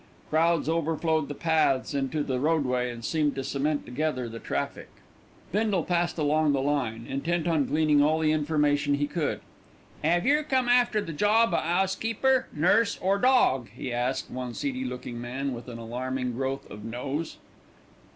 Crowds overflowed the paths into the roadway and seemed to cement together the traffic. Bindle passed along the line intent on gleaning all the information he could. "'Ave yer come after the job o' 'ousekeeper, nurse, or dawg?" he asked one seedy looking man with an alarming growth of nose.